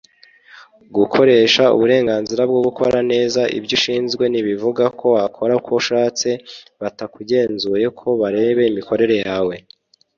gukoresha uburenganzira bwo gukora neza ibyo ushinzwe nibivugako wakora uko ushatse batakugenzuye nko barebe imikorere yawe